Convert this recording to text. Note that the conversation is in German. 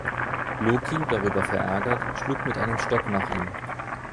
Loki, darüber verärgert, schlug mit einem Stock nach ihm.